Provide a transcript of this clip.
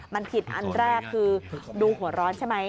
มันผิดอันแรกคือดูหัวร้อนใช่ไหม